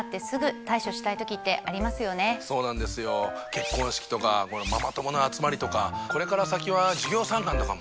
結婚式とかママ友の集まりとかこれから先は授業参観とかも。